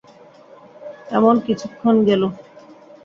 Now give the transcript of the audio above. এমন কিছুক্ষণ গেল।